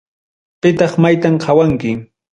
Pitaq maytam qawanki.